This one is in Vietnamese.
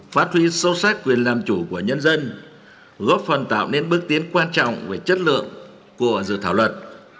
phát huy sâu sắc quyền làm chủ của nhân dân góp phần tạo nên bước tiến quan trọng về chất lượng của dự thảo luật